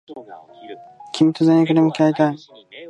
君と全力で向き合いたい